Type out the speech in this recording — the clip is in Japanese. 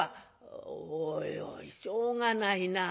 「おいおいしょうがないな。